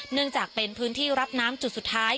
เนื่องจากเป็นพื้นที่รับน้ำจุดสุดท้าย